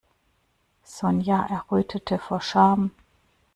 Sonja errötete vor Scham.